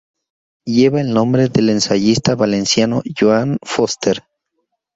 Lleva el nombre del ensayista valenciano Joan Fuster.